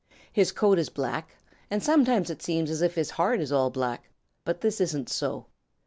His coat is black, and sometimes it seems as if his heart is all black, but this isn't so.